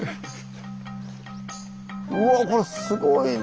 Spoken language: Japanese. うわこれすごいね。